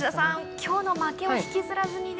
今日の負けを引きずらずに。